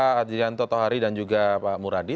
terima kasih juga pak adianto tohari dan juga pak muradi